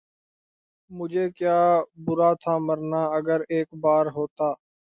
مجھے کیا برا تھا مرنا اگر ایک بار ہوتا